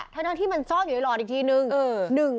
ทั้งที่มันซ่อนอยู่ในหลอดอีกทีนึง